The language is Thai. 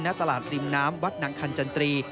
ณตลาดริมน้ำวัดหนังคันจันตรี